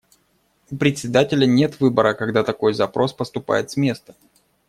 У Председателя нет выбора, когда такой запрос поступает с места.